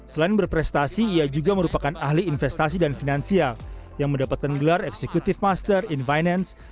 selain berprestasi ia juga merupakan ahli investasi dan finansial yang mendapatkan gelar executive master in finance